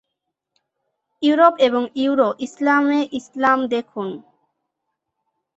Europe এবং Euro ইসলামে ইসলাম দেখুন।